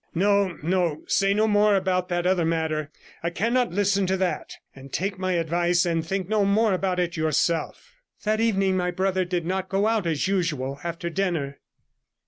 No, no; say no more about that other matter; I cannot listen to that; and take my advice and think no more about it yourself.' 113 That evening my brother did not go out as usual after dinner.